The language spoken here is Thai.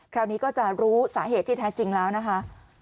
คราวนี้ก็จะรู้สาเหตุที่แท้จริงแล้วนะคะ